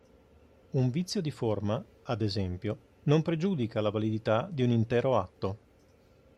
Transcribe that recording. Un vizio di forma, ad esempio, non pregiudica la validità di un intero atto.